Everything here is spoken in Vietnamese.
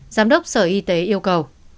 giám đốc sở y tế yêu cầu